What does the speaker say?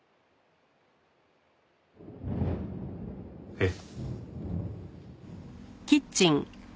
えっ。